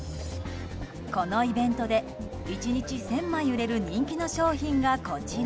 このイベントで１日１０００枚売れる人気の商品が、こちら。